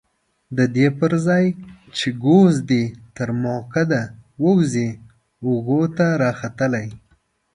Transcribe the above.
ددې پرځای چې ګوز دې تر مکعده ووځي اوږو ته راختلی.